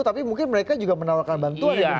tapi mungkin mereka juga menawarkan bantuan